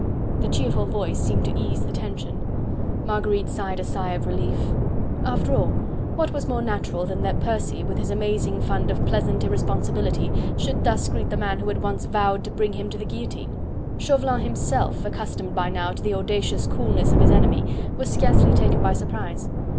The cheerful voice seemed to ease the tension. Marguerite sighed a sigh of relief. After all, what was more natural than that Percy with his amazing fund of pleasant irresponsibility should thus greet the man who had once vowed to bring him to the guillotine? Chauvelin, himself, accustomed by now to the audacious coolness of his enemy, was scarcely taken by surprise.